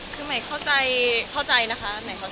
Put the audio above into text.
คือใหม่เข้าใจนะคะ